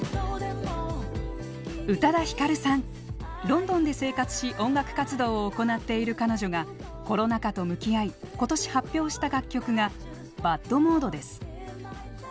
ロンドンで生活し音楽活動を行っている彼女がコロナ禍と向き合い今年発表した楽曲が「ＢＡＤモード」です。